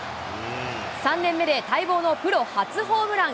３年目で待望のプロ初ホームラン。